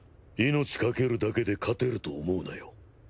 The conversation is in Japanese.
命かけるだけで勝てると思うなよ。